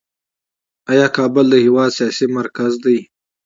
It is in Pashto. آیا کابل د هیواد سیاسي مرکز دی؟